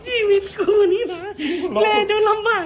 ชีวิตกูนี่แม่ดูลำบาก